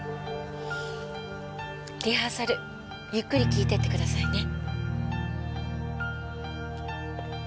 リハーサルゆっくり聴いてってくださいね。